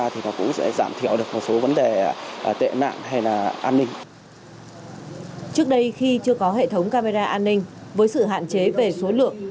trước đây khi chưa có hệ thống camera an ninh với sự hạn chế về số lượng